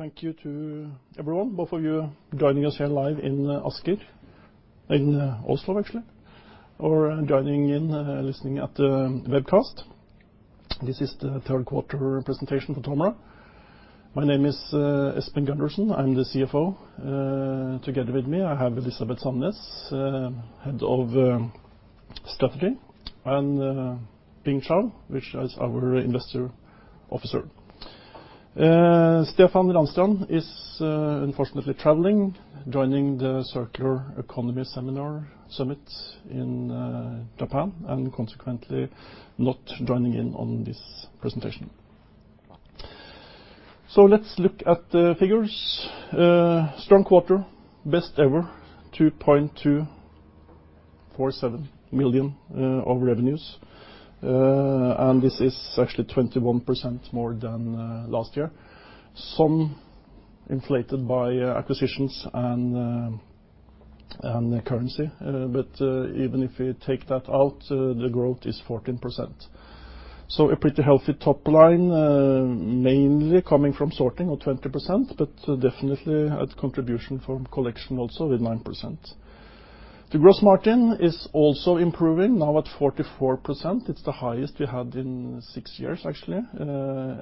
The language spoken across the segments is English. Thank you to everyone, both of you joining us here live in Oslo, or joining in, listening at the webcast. This is the third quarter presentation for Tomra. My name is Espen Gundersen. I am the CFO. Together with me, I have Elisabet Sandnes, Head of Strategy, and Ping Xiao, which is our Investor Officer. Stefan Ranstrand is unfortunately traveling, joining the Circular Economy Summit in Japan, consequently not joining in on this presentation. Let's look at the figures. Strong quarter, best ever, 2.247 million of revenues. This is actually 21% more than last year, some inflated by acquisitions and currency. Even if we take that out, the growth is 14%. A pretty healthy top line, mainly coming from sorting of 20%, definitely a contribution from collection also with 9%. The gross margin is also improving, now at 44%. It is the highest we had in 6 years, actually.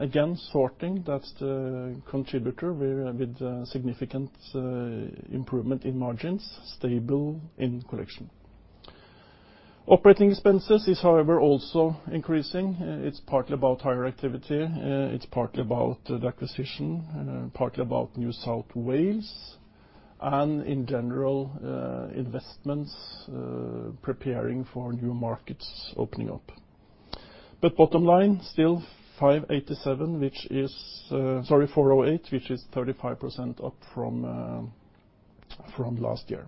Again, sorting, that is the contributor with significant improvement in margins, stable in collection. Operating expenses is, however, also increasing. It is partly about higher activity, it is partly about the acquisition, partly about New South Wales, and in general, investments preparing for new markets opening up. Bottom line, still 408, which is 35% up from last year.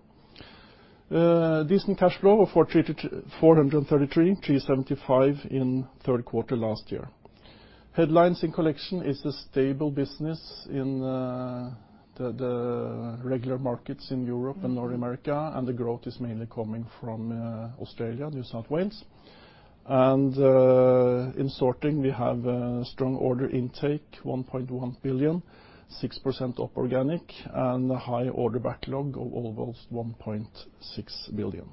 Decent cash flow of 433, 375 in third quarter last year. Headlines in collection is a stable business in the regular markets in Europe and North America, the growth is mainly coming from Australia, New South Wales. In sorting, we have strong order intake, 1.1 billion, 6% up organic, and high order backlog of almost 1.6 billion.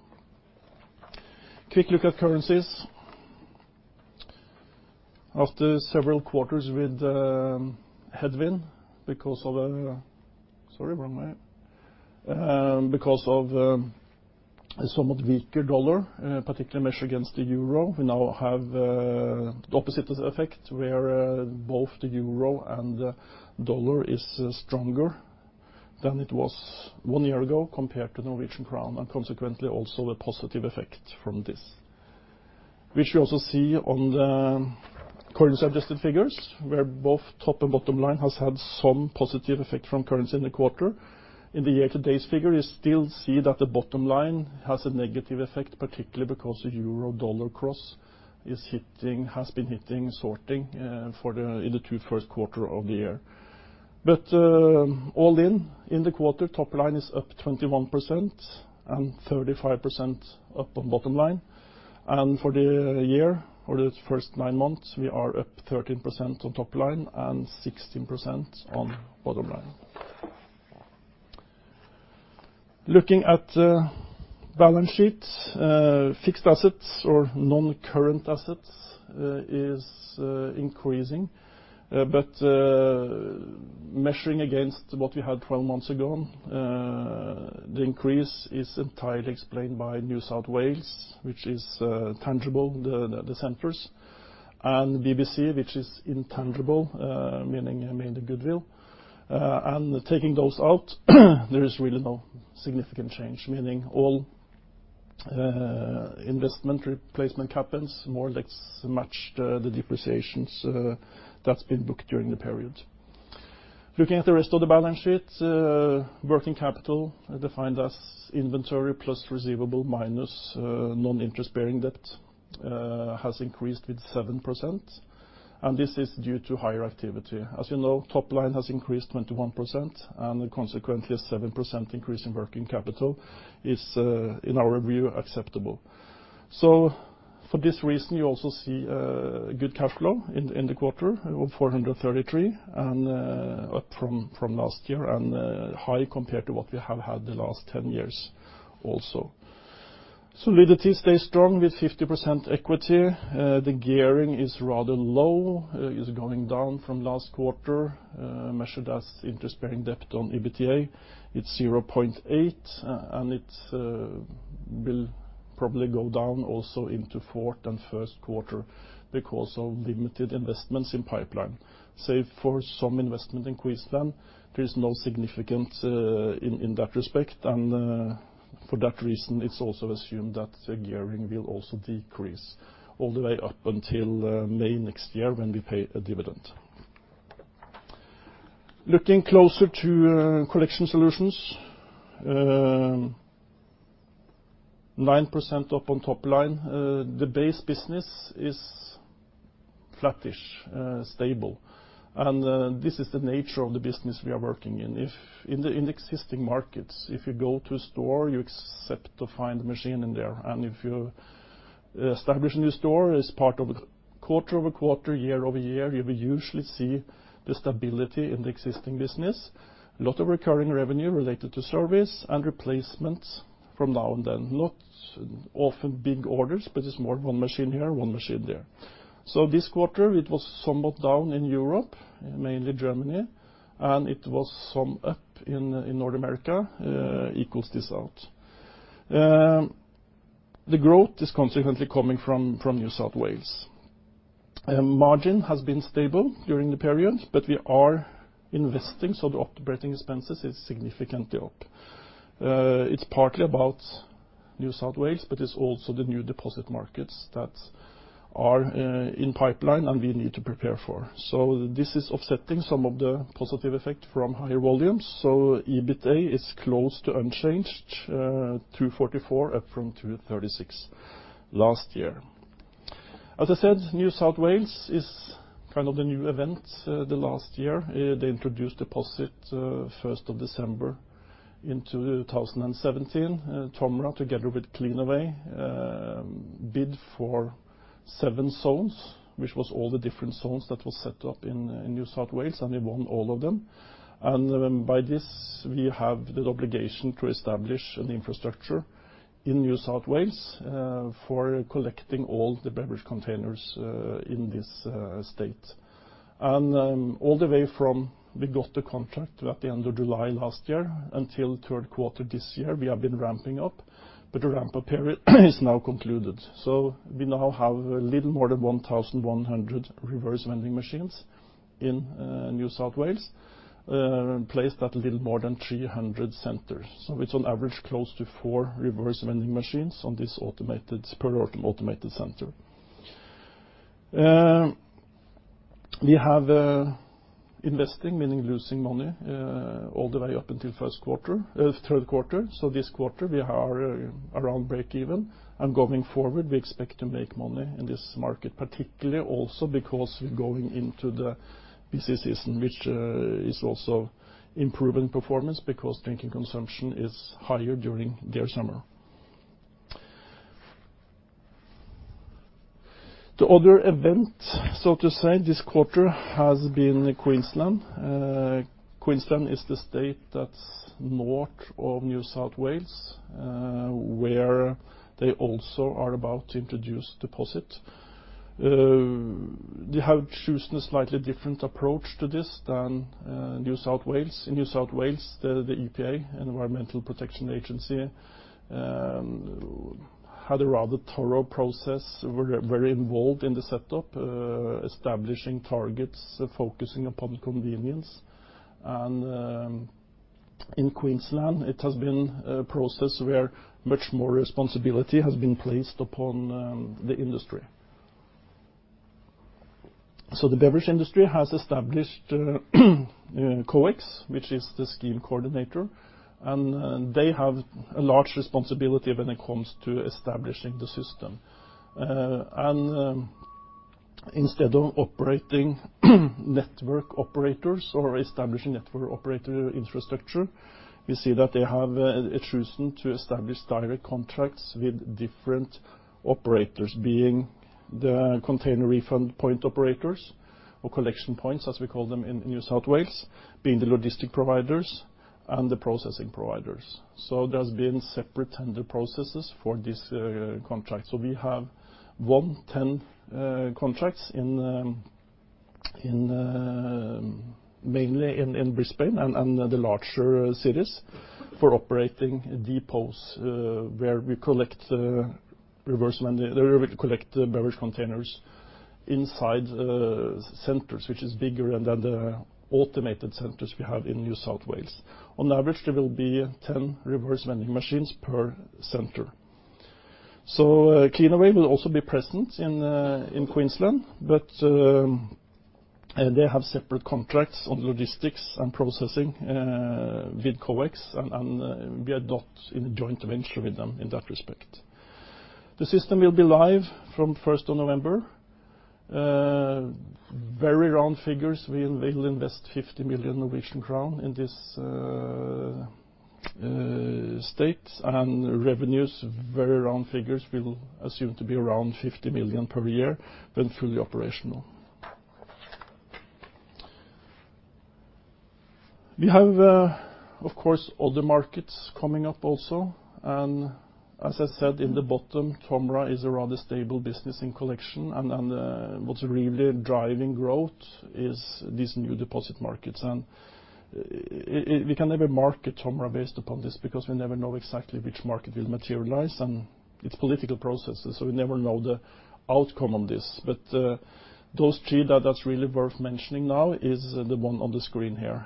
Quick look at currencies. After several quarters with headwind because of, wrong way. Because of a somewhat weaker U.S. dollar, particularly measured against the euro, we now have the opposite effect, where both the euro and the U.S. dollar is stronger than it was one year ago compared to the Norwegian krone, consequently, also a positive effect from this. Which you also see on the currency-adjusted figures, where both top and bottom line has had some positive effect from currency in the quarter. In the year-to-date figure, you still see that the bottom line has a negative effect, particularly because the euro-U.S. dollar cross has been hitting sorting in the two first quarter of the year. All in the quarter, top line is up 21% and 35% up on bottom line. For the year, for the first 9 months, we are up 13% on top line and 16% on bottom line. Looking at the balance sheet, fixed assets or non-current assets is increasing. Measuring against what we had 12 months ago, the increase is entirely explained by New South Wales, which is tangible, the centers. BBC, which is intangible, meaning mainly goodwill. Taking those out, there is really no significant change, meaning all investment replacement happens more or less match the depreciations that has been booked during the period. Looking at the rest of the balance sheet, working capital, defined as inventory plus receivable, minus non-interest bearing debt, has increased with 7%. This is due to higher activity. As you know, top line has increased 21%, consequently, a 7% increase in working capital is, in our view, acceptable. For this reason, you also see good cash flow in the quarter of 433 million and up from last year and high compared to what we have had the last 10 years also. Solidity stays strong with 50% equity. The gearing is rather low, is going down from last quarter, measured as interest-bearing debt on EBITDA. It's 0.8, and it will probably go down also into fourth and first quarter because of limited investments in pipeline. Save for some investment in Queensland, there is no significant in that respect. For that reason, it is also assumed that the gearing will also decrease all the way up until May next year when we pay a dividend. Looking closer to Collection Solutions, 9% up on top line. The base business is flattish, stable. This is the nature of the business we are working in. In the existing markets, if you go to a store, you accept to find the machine in there. If you establish a new store, as part of quarter-over-quarter, year-over-year, you will usually see the stability in the existing business. A lot of recurring revenue related to service and replacements from now and then. Not often big orders, but it's more one machine here, one machine there. This quarter, it was somewhat down in Europe, mainly Germany, and it was some up in North America, equals this out. The growth is consequently coming from New South Wales. Margin has been stable during the period, but we are investing, so the operating expenses is significantly up. It's partly about New South Wales, but it's also the new deposit markets that are in pipeline, and we need to prepare for. This is offsetting some of the positive effect from higher volumes. EBITA is close to unchanged, 244 million up from 236 million last year. As I said, New South Wales is kind of the new event. Last year, they introduced deposit 1st of December in 2017. Tomra, together with Cleanaway, bid for seven zones, which was all the different zones that were set up in New South Wales, and we won all of them. By this, we have the obligation to establish an infrastructure in New South Wales, for collecting all the beverage containers in this state. All the way from, we got the contract at the end of July last year until third quarter this year, we have been ramping up, but the ramp-up period is now concluded. We now have a little more than 1,100 reverse vending machines in New South Wales, placed at a little more than 300 centers. It's on average close to four reverse vending machines on this automated center. We have investing, meaning losing money, all the way up until third quarter. This quarter, we are around breakeven. Going forward, we expect to make money in this market, particularly also because we're going into the busy season, which is also improving performance because drinking consumption is higher during their summer. The other event, so to say, this quarter has been Queensland. Queensland is the state that's north of New South Wales, where they also are about to introduce deposit. They have chosen a slightly different approach to this than New South Wales. In New South Wales, the EPA, Environmental Protection Agency, had a rather thorough process, were very involved in the setup, establishing targets, focusing upon convenience. In Queensland, it has been a process where much more responsibility has been placed upon the industry. The beverage industry has established COEX, which is the scheme coordinator. They have a large responsibility when it comes to establishing the system. Instead of operating network operators or establishing network operator infrastructure, we see that they have chosen to establish direct contracts with different operators, being the container refund point operators or collection points, as we call them in New South Wales, being the logistic providers, and the processing providers. There's been separate tender processes for this contract. We have won 10 contracts mainly in Brisbane and the larger cities for operating depots where we collect beverage containers inside centers, which is bigger than the automated centers we have in New South Wales. On average, there will be 10 reverse vending machines per center. Cleanaway will also be present in Queensland, but they have separate contracts on logistics and processing with COEX, and we are not in a joint venture with them in that respect. The system will be live from 1st of November. Very round figures, we will invest 50 million Norwegian crown in this state, and revenues, very round figures, we'll assume to be around 50 million per year when fully operational. We have, of course, other markets coming up also. As I said in the bottom, Tomra is a rather stable business in collection. What's really driving growth is these new deposit markets. We can never market Tomra based upon this because we never know exactly which market will materialize, and it's political processes, so we never know the outcome on this. Those three that's really worth mentioning now is the one on the screen here.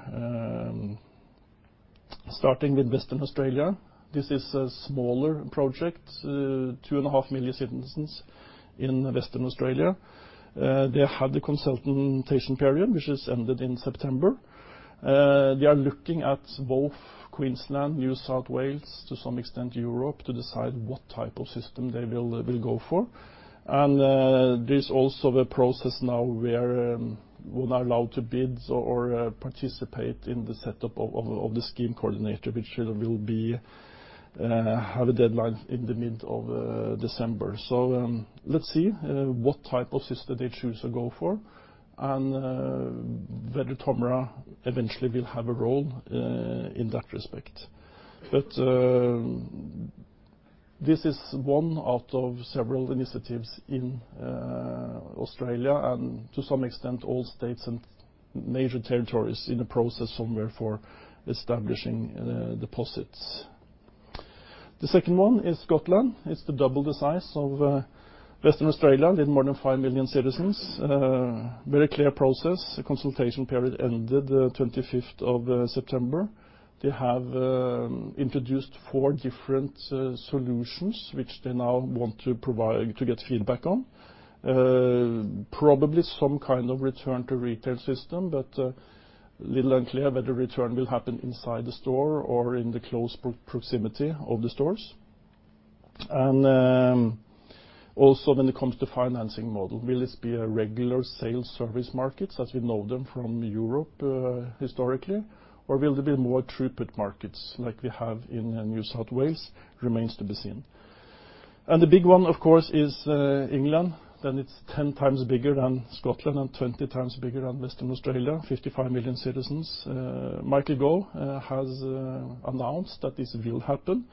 Starting with Western Australia, this is a smaller project, two and a half million citizens in Western Australia. They had the consultation period, which has ended in September. They are looking at both Queensland, New South Wales, to some extent Europe, to decide what type of system they will go for. There's also the process now where we're now allowed to bid or participate in the setup of the scheme coordinator, which will be Have a deadline in the middle of December. Let's see what type of system they choose to go for, and whether Tomra eventually will have a role in that respect. This is one out of several initiatives in Australia, and to some extent, all states and major territories in the process somewhere for establishing deposits. The second one is Scotland. It's double the size of Western Australia, with more than five million citizens. Very clear process. The consultation period ended the 25th of September. They have introduced four different solutions, which they now want to provide to get feedback on. Probably some kind of return to retail system, but a little unclear whether return will happen inside the store or in the close proximity of the stores. Also when it comes to financing model, will it be a regular sales service market as we know them from Europe historically, or will there be more throughput markets like we have in New South Wales? Remains to be seen. The big one, of course, is England. Then it is 10 times bigger than Scotland and 20 times bigger than Western Australia, 55 million citizens. Michael Gove has announced that this will happen.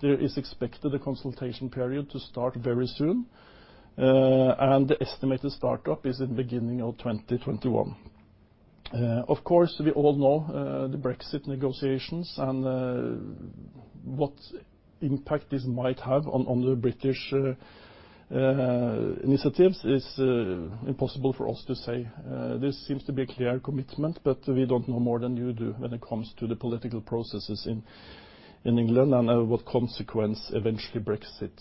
It is expected, the consultation period, to start very soon, and the estimated start-up is in the beginning of 2021. Of course, we all know the Brexit negotiations and what impact this might have on the British initiatives is impossible for us to say. This seems to be a clear commitment, but we don't know more than you do when it comes to the political processes in England and what consequence eventually Brexit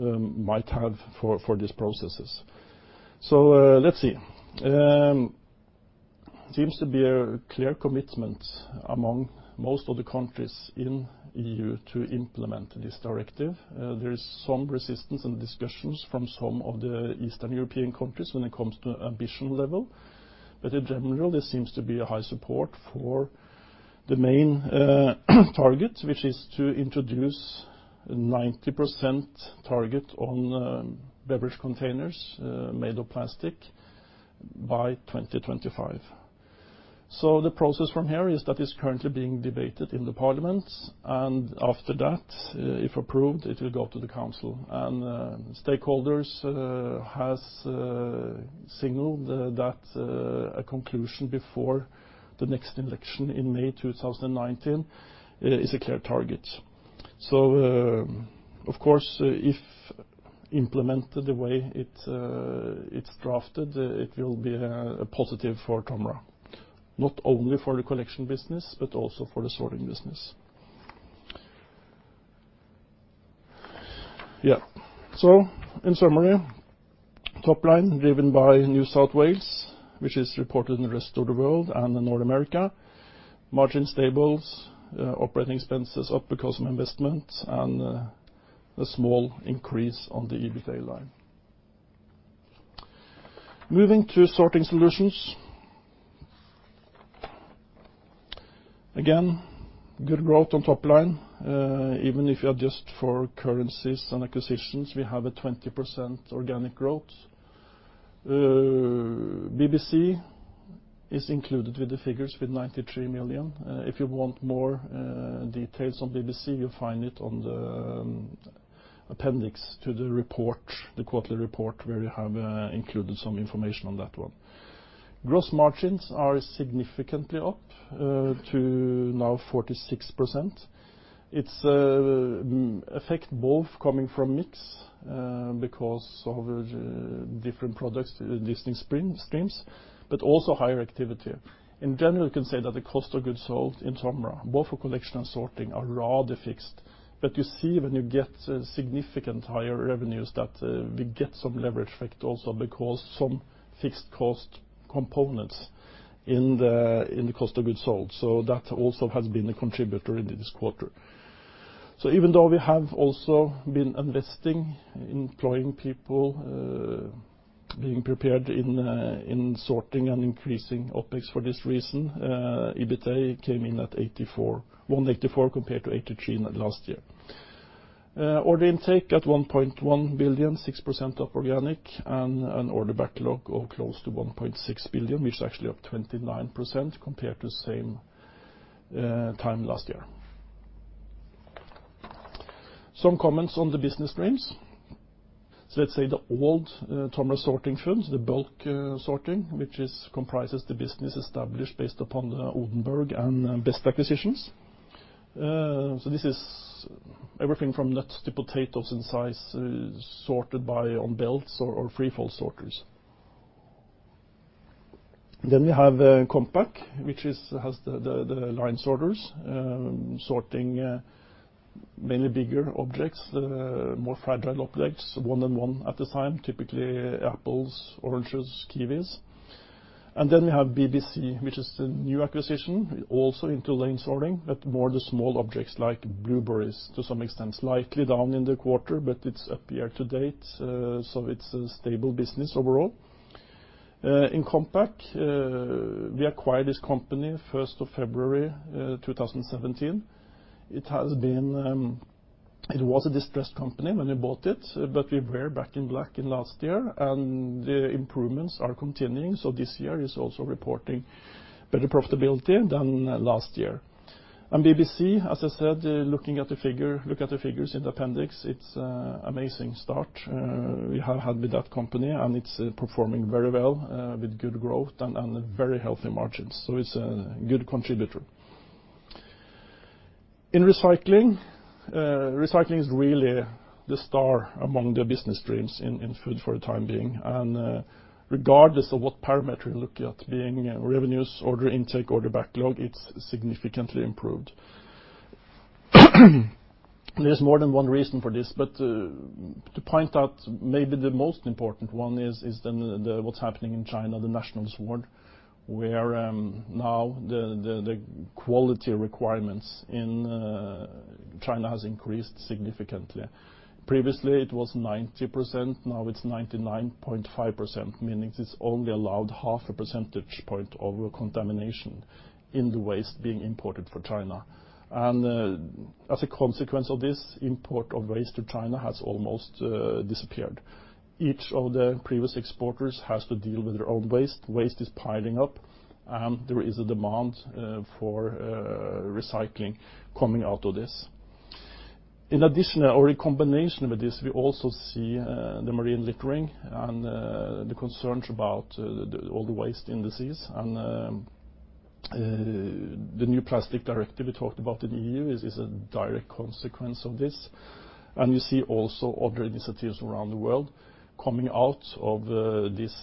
might have for these processes. Let's see. Seems to be a clear commitment among most of the countries in EU to implement this directive. There is some resistance and discussions from some of the Eastern European countries when it comes to ambition level. In general, there seems to be a high support for the main target, which is to introduce 90% target on beverage containers made of plastic by 2025. The process from here is that it's currently being debated in the Parliament. After that, if approved, it will go to the council. Stakeholders has signaled that a conclusion before the next election in May 2019 is a clear target. Of course, if implemented the way it's drafted, it will be a positive for Tomra, not only for the collection business, but also for the sorting business. In summary, top line driven by New South Wales, which is reported in the rest of the world and the North America. Margin stables. Operating expenses up because of investment, and a small increase on the EBITA line. Moving to sorting solutions. Again, good growth on top line. Even if you adjust for currencies and acquisitions, we have a 20% organic growth. BBC is included with the figures with 93 million. If you want more details on BBC, you'll find it on the appendix to the report, the quarterly report, where we have included some information on that one. Gross margins are significantly up to now 46%. Its effect both coming from mix because of different products, distinct streams, but also higher activity. In general, you can say that the cost of goods sold in Tomra, both for collection and sorting, are rather fixed, but you see when you get significant higher revenues, that we get some leverage effect also because some fixed cost components in the cost of goods sold. That also has been a contributor in this quarter. Even though we have also been investing, employing people, being prepared in sorting and increasing OpEx for this reason, EBITA came in at 184 compared to 183 last year. Order intake at 1.1 billion, 6% up organic, and an order backlog of close to 1.6 billion, which is actually up 29% compared to same time last year. Some comments on the business streams. Let's say the old Tomra Sorting Food, the bulk sorting, which comprises the business established based upon the Odenberg and BEST acquisitions. This is everything from nuts to potatoes in size, sorted by on belts or free-fall sorters. Then we have Compac, which has the lane sorters, sorting mainly bigger objects, more fragile objects, one at a time, typically apples, oranges, kiwis. We have BBC, which is the new acquisition, also into lane sorting, but more the small objects like blueberries to some extent. Slightly down in the quarter, but it is up year to date, so it is a stable business overall. In Compac, we acquired this company 1st of February 2017. It was a distressed company when we bought it, but we were back in black in last year, and the improvements are continuing. This year is also reporting better profitability than last year. BBC, as I said, look at the figures in the appendix. It is an amazing start we have had with that company, and it is performing very well, with good growth and very healthy margins. It is a good contributor. In recycling is really the star among the business streams in food for the time being, and regardless of what parameter you are looking at, being revenues, order intake, order backlog, it is significantly improved. There is more than one reason for this, but to point out maybe the most important one is what is happening in China, the National Sword, where now the quality requirements in China has increased significantly. Previously, it was 90%, now it is 99.5%, meaning it is only allowed half a percentage point of contamination in the waste being imported for China. As a consequence of this, import of waste to China has almost disappeared. Each of the previous exporters has to deal with their own waste. Waste is piling up, and there is a demand for recycling coming out of this. In addition, or in combination with this, we also see the marine littering and the concerns about all the waste in the seas, and the Single-Use Plastics Directive we talked about in the EU is a direct consequence of this. You see also other initiatives around the world coming out of this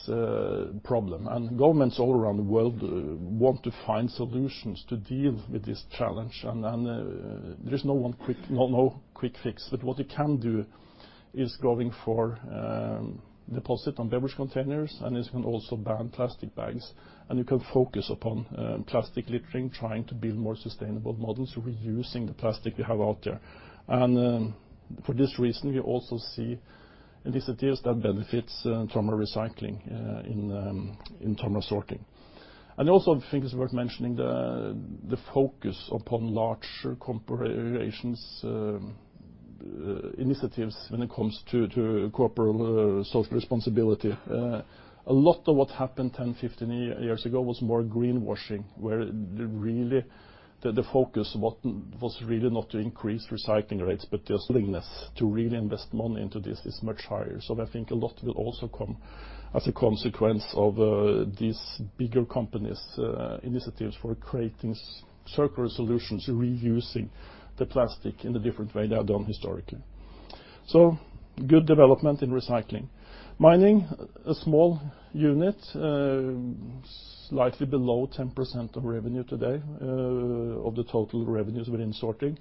problem, and governments all around the world want to find solutions to deal with this challenge. There is no quick fix, but what they can do is going for deposit on beverage containers, and they can also ban plastic bags. You can focus upon plastic littering, trying to build more sustainable models, reusing the plastic we have out there. For this reason, we also see initiatives that benefits Tomra Recycling in Tomra Sorting. I also think it is worth mentioning the focus upon larger corporations' initiatives when it comes to corporate social responsibility. A lot of what happened 10, 15 years ago was more greenwashing, where really the focus was really not to increase recycling rates, but the willingness to really invest money into this is much higher. I think a lot will also come as a consequence of these bigger companies' initiatives for creating circular solutions, reusing the plastic in a different way than done historically. Good development in recycling. Mining, a small unit, slightly below 10% of revenue today, of the total revenues within sorting.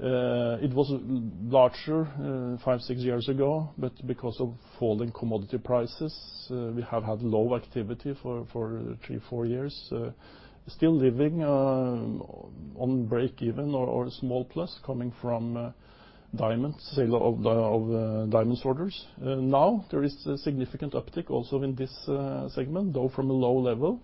It was larger five, six years ago, but because of falling commodity prices, we have had low activity for three, four years. Still living on breakeven or a small plus coming from sale of diamond sorters. There is a significant uptick also in this segment, though from a low level.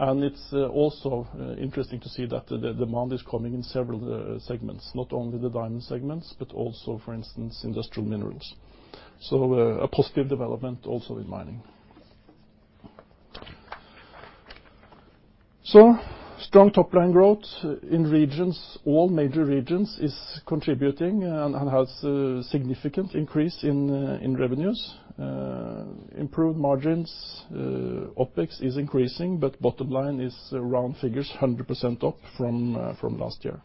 It is also interesting to see that the demand is coming in several segments, not only the diamond segments, but also, for instance, industrial minerals. A positive development also in mining. Strong top-line growth in regions. All major regions is contributing and has a significant increase in revenues. Improved margins. OpEx is increasing, but bottom line is, round figures, 100% up from last year.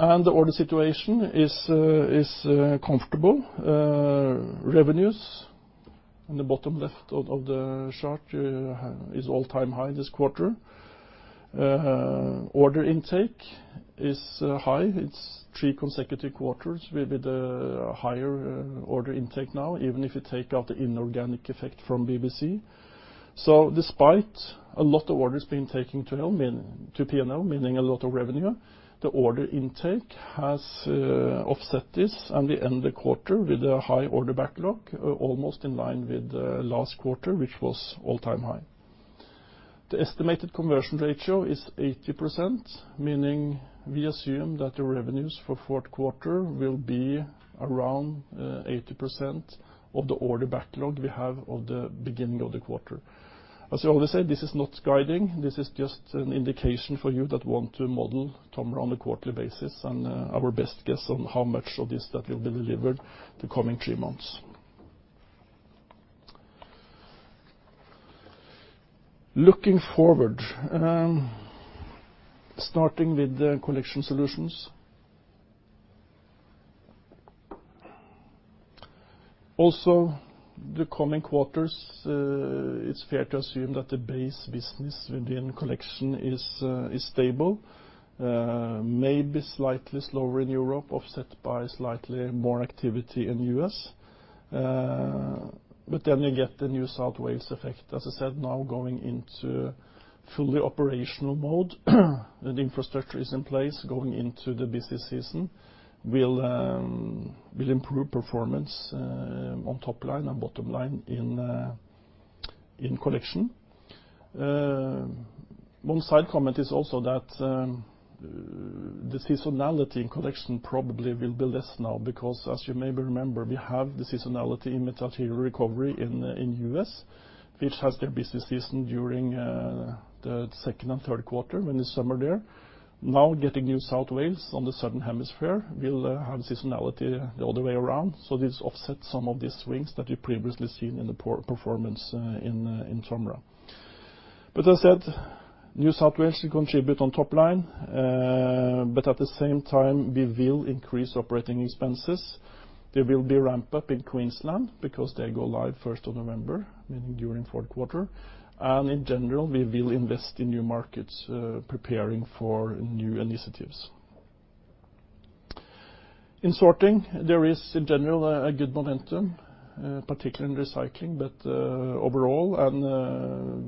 The order situation is comfortable. Revenues, on the bottom left of the chart, is all-time high this quarter. Order intake is high. It is three consecutive quarters with the higher order intake now, even if you take out the inorganic effect from BBC. Despite a lot of orders being taken to P&L, meaning a lot of revenue, the order intake has offset this, and we end the quarter with a high order backlog, almost in line with last quarter, which was all-time high. The estimated conversion ratio is 80%, meaning we assume that the revenues for fourth quarter will be around 80% of the order backlog we have of the beginning of the quarter. As we always say, this is not guiding. This is just an indication for you that want to model Tomra on a quarterly basis, and our best guess on how much of this that will be delivered the coming three months. Looking forward. Starting with TOMRA Collection. Also, the coming quarters, it is fair to assume that the base business within TOMRA Collection is stable. Maybe slightly slower in Europe, offset by slightly more activity in the U.S. You get the New South Wales effect, as I said, now going into fully operational mode. The infrastructure is in place going into the busy season, will improve performance on top line and bottom line in TOMRA Collection. One side comment is also that the seasonality in TOMRA Collection probably will be less now because as you maybe remember, we have the seasonality in material recovery in U.S., which has their busy season during the second and third quarter when it is summer there. Getting New South Wales on the Southern hemisphere, we will have seasonality the other way around. This offsets some of these swings that we have previously seen in the poor performance in Tomra. As I said, New South Wales will contribute on top line, but at the same time, we will increase operating expenses. There will be ramp-up in Queensland because they go live 1st of November, meaning during fourth quarter. In general, we will invest in new markets, preparing for new initiatives. In Tomra Sorting, there is in general a good momentum, particularly in Tomra Recycling. Overall,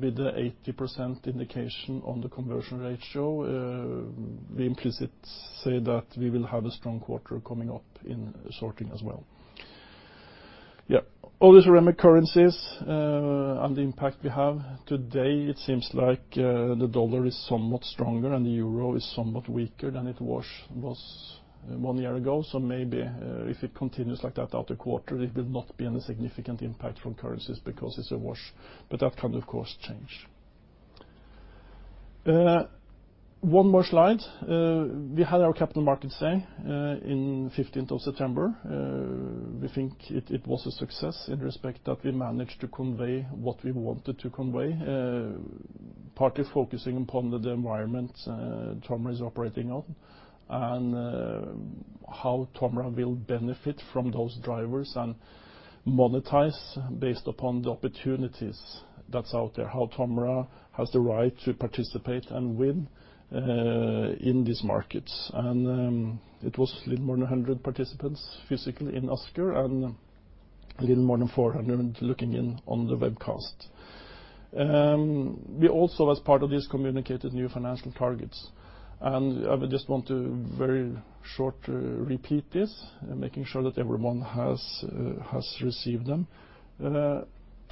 with the 80% indication on the conversion ratio, we implicitly say that we will have a strong quarter coming up in sorting as well. All the systemic currencies, and the impact we have. Today it seems like the dollar is somewhat stronger and the euro is somewhat weaker than it was one year ago. Maybe if it continues like that out the quarter, it will not be any significant impact from currencies because it is a wash. That can of course change. One more slide. We had our capital markets day in 15th of September. We think it was a success in respect that we managed to convey what we wanted to convey, partly focusing upon the environment Tomra is operating on and how Tomra will benefit from those drivers and monetize based upon the opportunities that's out there, how Tomra has the right to participate and win in these markets. It was a little more than 100 participants physically in Asker and a little more than 400 looking in on the webcast. We also, as part of this, communicated new financial targets. I just want to very short repeat this, making sure that everyone has received them.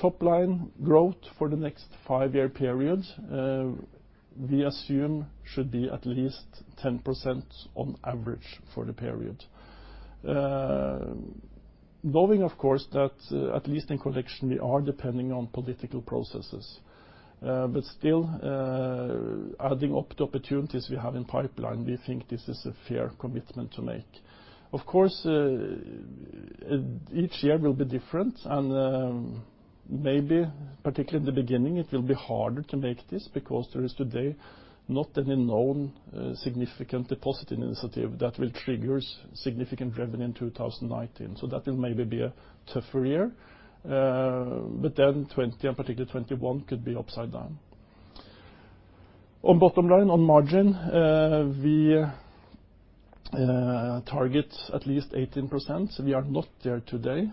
Top line growth for the next five-year period, we assume should be at least 10% on average for the period. Knowing of course, that at least in collection, we are depending on political processes. Still adding up the opportunities we have in pipeline, we think this is a fair commitment to make. Of course, each year will be different and maybe particularly in the beginning it will be harder to make this because there is today not any known significant deposit initiative that will trigger significant revenue in 2019. That will maybe be a tougher year. Then 2020 and particularly 2021 could be upside down. On bottom line, on margin, we target at least 18%. We are not there today.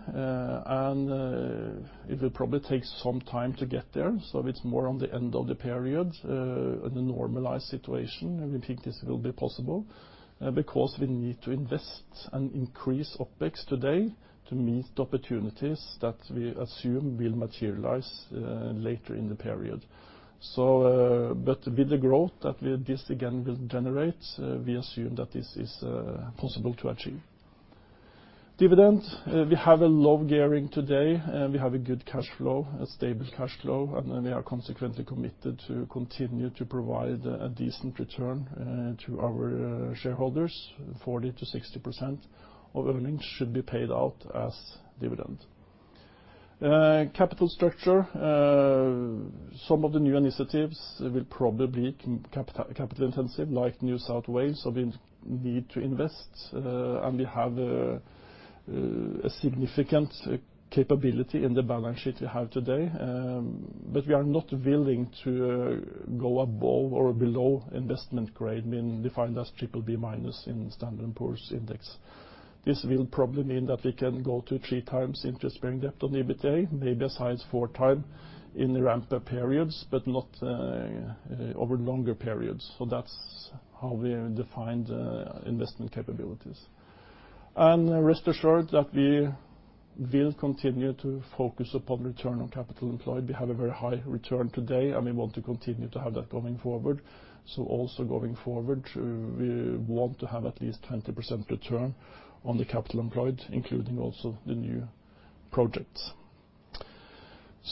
It will probably take some time to get there. It's more on the end of the period in a normalized situation, we think this will be possible, because we need to invest and increase OpEx today to meet the opportunities that we assume will materialize later in the period. With the growth that this again will generate, we assume that this is possible to achieve. Dividend, we have a low gearing today. We have a good cash flow, a stable cash flow, we are consequently committed to continue to provide a decent return to our shareholders. 40%-60% of earnings should be paid out as dividend. Capital structure. Some of the new initiatives will probably be capital intensive like New South Wales. We need to invest, we have a significant capability in the balance sheet we have today. We are not willing to go above or below investment grade, being defined as BBB- in Standard & Poor's index. This will probably mean that we can go to three times interest bearing debt on the EBITDA, maybe as high as four times in the ramp-up periods, but not over longer periods. That's how we defined investment capabilities. Rest assured that we will continue to focus upon return on capital employed. We have a very high return today, we want to continue to have that going forward. Also going forward, we want to have at least 20% return on the capital employed, including also the new projects.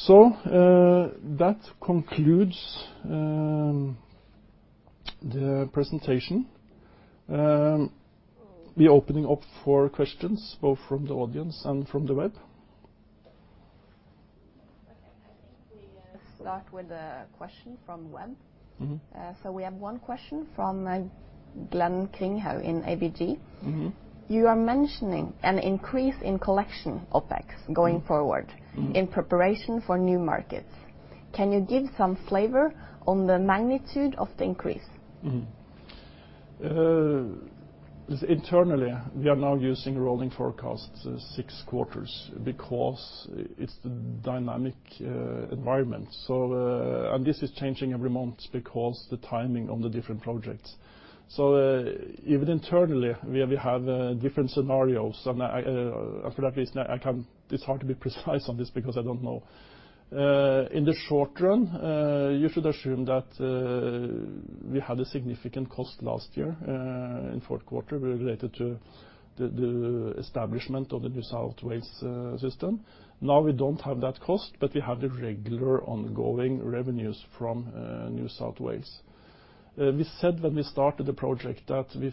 That concludes the presentation. We are opening up for questions both from the audience and from the web. Okay. I think we start with a question from web. We have one question from Glenn Kringhaug in ABG. You are mentioning an increase in collection OpEx going forward. This is in preparation for new markets. Can you give some flavor on the magnitude of the increase? Internally, we are now using rolling forecasts 6 quarters because it's the dynamic environment. This is changing every month because the timing on the different projects. Even internally, we have different scenarios and for that reason, it's hard to be precise on this. In the short run, you should assume that we had a significant cost last year in fourth quarter related to the establishment of the New South Wales system. Now we do not have that cost, but we have the regular ongoing revenues from New South Wales. We said when we started the project that we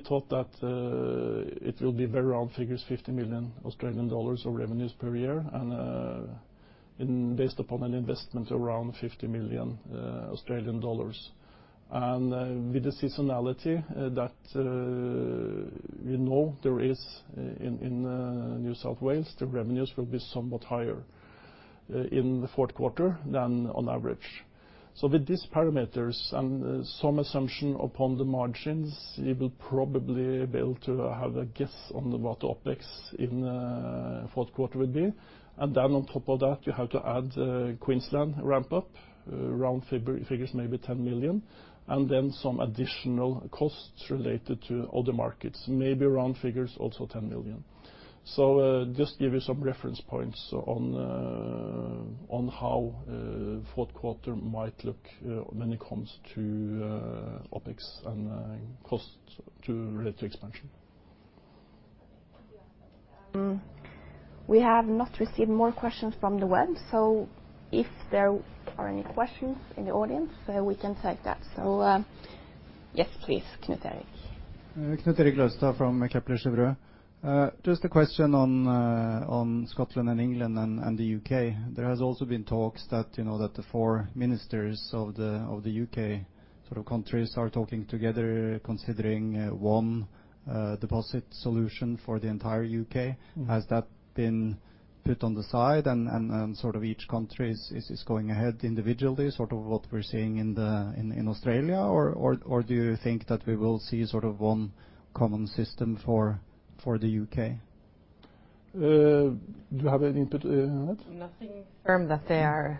thought that it will be very round figures, 50 million Australian dollars of revenues per year and based upon an investment around 50 million Australian dollars. With the seasonality that we know there is in New South Wales, the revenues will be somewhat higher in the fourth quarter than on average. With these parameters and some assumption upon the margins, you will probably be able to have a guess on what the OpEx in fourth quarter will be. On top of that, you have to add Queensland ramp up, round figures maybe 10 million, then some additional costs related to other markets, maybe round figures also 10 million. Just give you some reference points on how fourth quarter might look when it comes to OpEx and cost related to expansion. We have not received more questions from the web, if there are any questions in the audience, we can take that. Yes, please, Knut Erik. Knut Erik Løvstad from Kepler Cheuvreux. Just a question on Scotland and England and the U.K. There has also been talks that the 4 ministers of the U.K. sort of countries are talking together considering one deposit solution for the entire U.K. Has that been put on the side and sort of each country is going ahead individually, sort of what we are seeing in Australia? Do you think that we will see sort of one common system for the U.K.? Do you have any input on that? Nothing firm that they are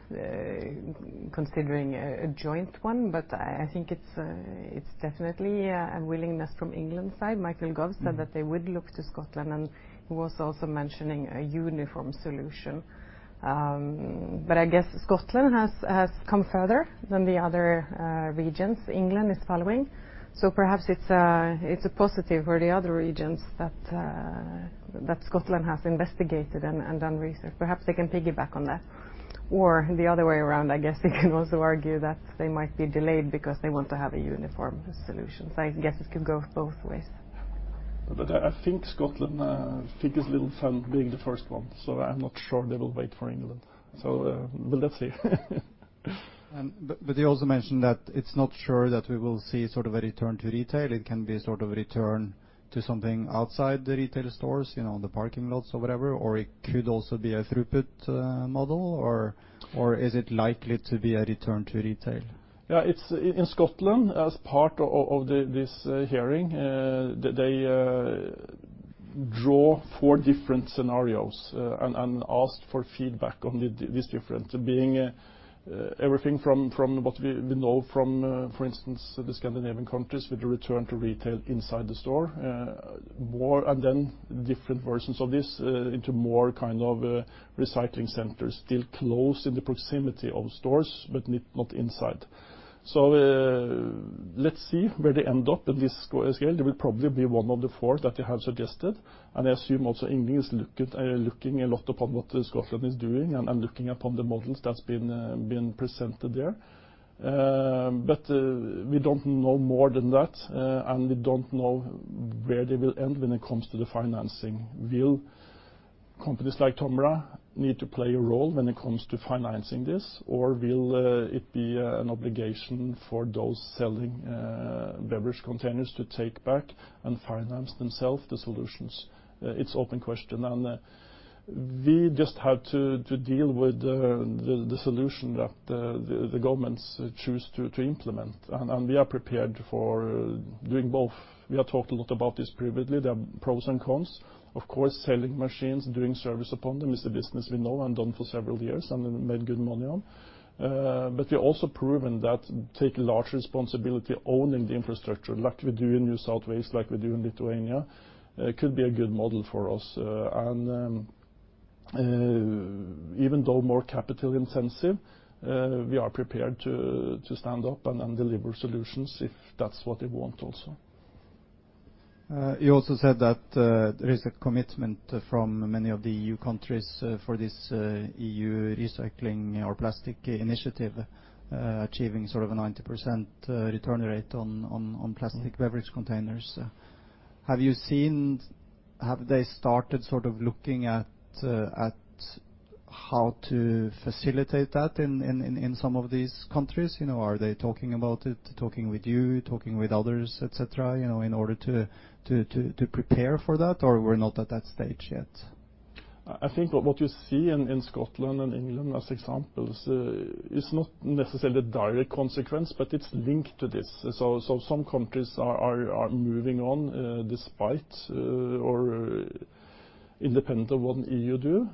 considering a joint one, but I think it's definitely a willingness from England side. Michael Gove said that they would look to Scotland, and he was also mentioning a uniform solution. I guess Scotland has come further than the other regions. England is following. Perhaps it's a positive for the other regions that Scotland has investigated and done research. Perhaps they can piggyback on that. The other way around, I guess they can also argue that they might be delayed because they want to have a uniform solution. I guess it could go both ways. I think Scotland think it's a little fun being the first one, so I'm not sure they will wait for England. We'll just see. You also mentioned that it's not sure that we will see sort of a return to retail. It can be sort of return to something outside the retail stores, the parking lots or whatever, or it could also be a throughput model, or is it likely to be a return to retail? Yeah, in Scotland as part of this hearing, they draw four different scenarios and ask for feedback on these different, being everything from what we know from, for instance, the Scandinavian countries with the return to retail inside the store. More and then different versions of this into more kind of recycling centers, still close in the proximity of stores, but not inside. Let's see where they end up with this scale. It will probably be one of the four that they have suggested. I assume also England is looking a lot upon what Scotland is doing and looking upon the models that's been presented there. But we don't know more than that, and we don't know where they will end when it comes to the financing. Will companies like Tomra need to play a role when it comes to financing this? Will it be an obligation for those selling beverage containers to take back and finance themselves the solutions? It's open question, we just have to deal with the solution that the governments choose to implement. We are prepared for doing both. We have talked a lot about this previously. There are pros and cons. Of course, selling machines, doing service upon them is the business we know and done for several years and made good money on. We also proven that take large responsibility owning the infrastructure like we do in New South Wales, like we do in Lithuania, could be a good model for us. Even though more capital intensive, we are prepared to stand up and deliver solutions if that's what they want also. You also said that there is a commitment from many of the EU countries for this EU recycling or plastic initiative, achieving sort of a 90% return rate on plastic beverage containers. Have they started sort of looking at how to facilitate that in some of these countries? Are they talking about it, talking with you, talking with others, et cetera, in order to prepare for that, or we're not at that stage yet? I think what you see in Scotland and England as examples, is not necessarily a direct consequence, but it's linked to this. Some countries are moving on despite or independent of what EU do.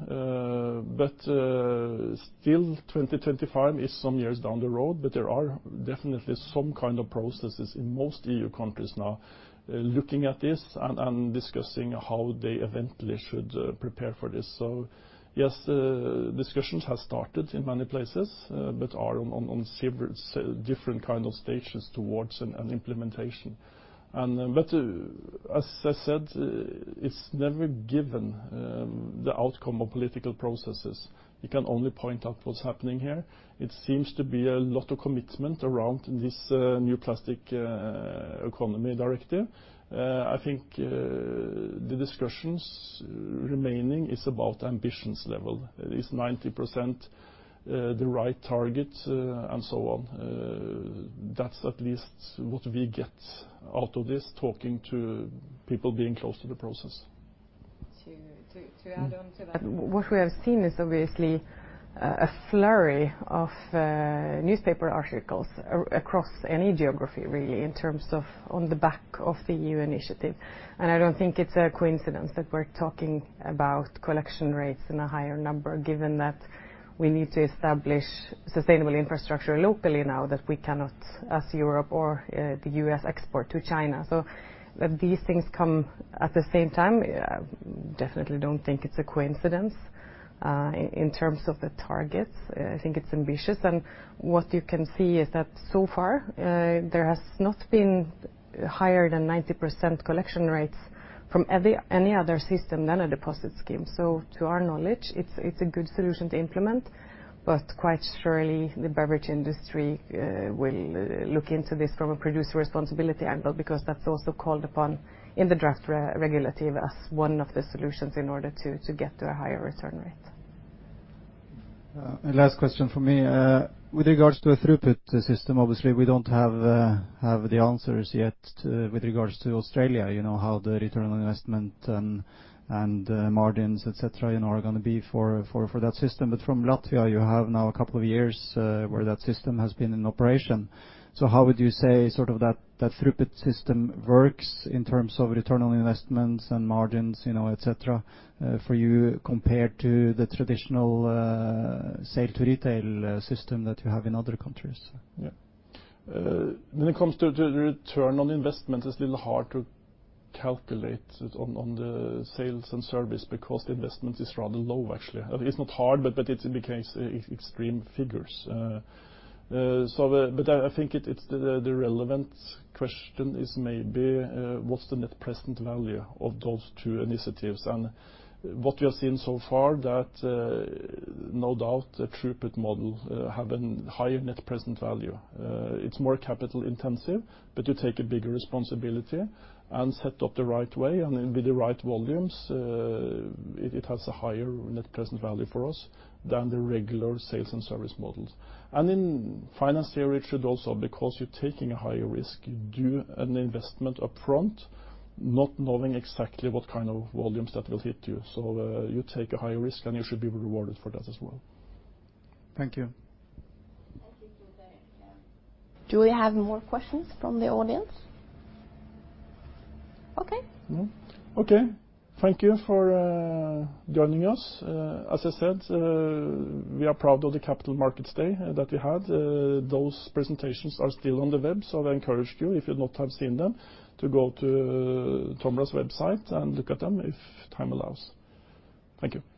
Still 2025 is some years down the road, there are definitely some kind of processes in most EU countries now looking at this and discussing how they eventually should prepare for this. Yes, discussions have started in many places, but are on several different kind of stages towards an implementation. As I said, it's never given, the outcome of political processes. You can only point out what's happening here. It seems to be a lot of commitment around this new plastic economy directive. I think the discussions remaining is about ambitions level. Is 90% the right target, and so on. That's at least what we get out of this talking to people being close to the process. To add on to that, what we have seen is obviously a flurry of newspaper articles across any geography really, in terms of on the back of the EU initiative. I don't think it's a coincidence that we're talking about collection rates in a higher number, given that we need to establish sustainable infrastructure locally now that we cannot, as Europe or the U.S. export to China. These things come at the same time. Definitely don't think it's a coincidence, in terms of the targets. I think it's ambitious and what you can see is that so far, there has not been higher than 90% collection rates from any other system than a deposit scheme. To our knowledge, it's a good solution to implement, quite surely the beverage industry will look into this from a producer responsibility angle, because that's also called upon in the draft regulative as one of the solutions in order to get to a higher return rate. Last question from me. With regards to a throughput system, obviously we don't have the answers yet with regards to Australia, how the return on investment and margins, et cetera, are going to be for that system. From Latvia, you have now a couple of years where that system has been in operation. How would you say sort of that throughput system works in terms of return on investments and margins, et cetera, for you compared to the traditional return to retail system that you have in other countries? Yeah. When it comes to return on investment, it's a little hard to calculate it on the sales and service because the investment is rather low actually. It's not hard, but it becomes extreme figures. I think the relevant question is maybe, what's the net present value of those two initiatives? What we have seen so far that, no doubt the throughput model has a higher net present value. It's more capital intensive, but you take a bigger responsibility and set up the right way and with the right volumes, it has a higher net present value for us than the regular sales and service models. In finance theory it should also, because you're taking a higher risk, you do an investment upfront, not knowing exactly what kind of volumes that will hit you. You take a higher risk and you should be rewarded for that as well. Thank you. Thank you. Do we have more questions from the audience? Okay. Okay. Thank you for joining us. As I said, we are proud of the capital markets day that we had. Those presentations are still on the web, I encourage you, if you not have seen them, to go to Tomra's website and look at them if time allows. Thank you.